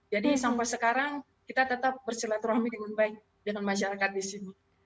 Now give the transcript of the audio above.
jadi sampai sekarang kita tetap berseraturahmi dengan baik dengan masyarakat di sini